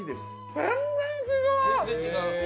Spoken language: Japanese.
全然違う？